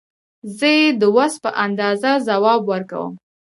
زه یې د وس په اندازه ځواب ورکوم.